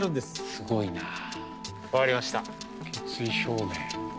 すごいな。